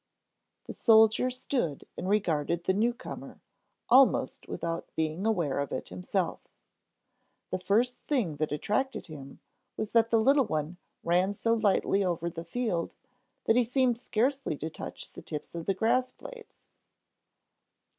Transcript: The soldier stood and regarded the newcomer almost without being aware of it himself. The first thing that attracted him was that the little one ran so lightly over the field that he seemed scarcely to touch the tips of the grass blades.